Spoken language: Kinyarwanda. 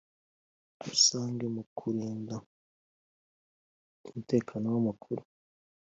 rusange mu kurinda umutekano w amakuru